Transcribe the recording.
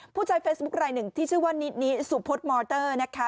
ผู้ใจเฟสบุ๊คไลน์หนึ่งที่ชื่อว่านินิสุพฟอล์กมอรี่เตอร์นะคะ